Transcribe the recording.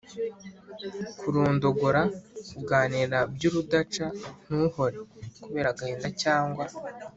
kurondogora : kuganira by’urudaca, ntuhore kubera agahinda cyangwa